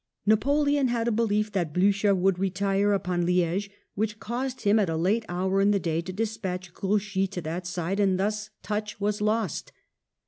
Napoleon had a belief that Blucher would retreat upon Li6ge, which caused him at a late hour in the day to despatch Grouchy to that side, and thus touch was lost.